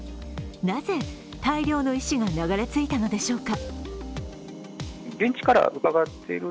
なぜ、大量の石が流れ着いたのでしょうか。